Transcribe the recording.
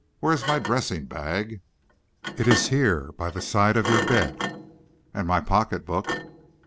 Where is my dressing bag?" "It is here by the side of your bed." "And my pocket book?"